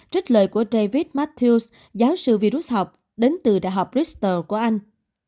trích lời của david matthews giáo sư virus học đến từ đại học bristol của anh